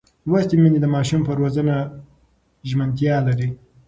لوستې میندې د ماشوم پر روزنه ژمنتیا لري.